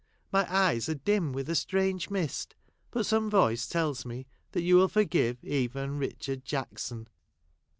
My eyes are dim with a strange mist, but some voice tells me that you will forgive even Richard Jack son.